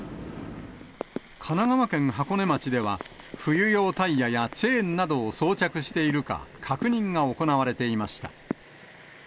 神奈川県箱根町では、冬用タイヤやチェーンなどを装着しているか、確認が行われていました。